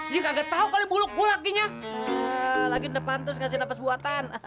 dia nggak tau kalau buluk gue lakinya lagi depan terus ngasih nafas buatan